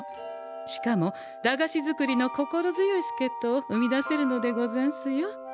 しかも駄菓子作りの心強いすけっとを生み出せるのでござんすよ。